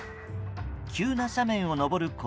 急な斜面を登る子